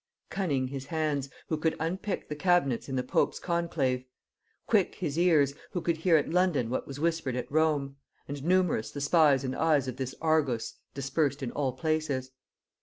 Cunning his hands, who could unpick the cabinets in the pope's conclave; quick his ears, who could hear at London what was whispered at Rome; and numerous the spies and eyes of this Argus dispersed in all places.